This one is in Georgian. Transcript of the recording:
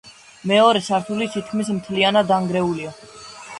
მეორე სართული თითქმის მთლიანად დანგრეულია.